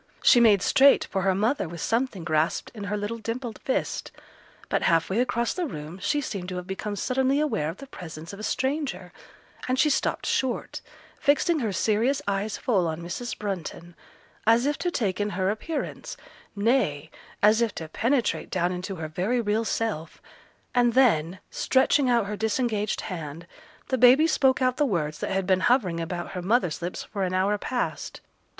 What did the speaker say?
She made straight for her mother with something grasped in her little dimpled fist; but half way across the room she seemed to have become suddenly aware of the presence of a stranger, and she stopped short, fixing her serious eyes full on Mrs. Brunton, as if to take in her appearance, nay, as if to penetrate down into her very real self, and then, stretching out her disengaged hand, the baby spoke out the words that had been hovering about her mother's lips for an hour past.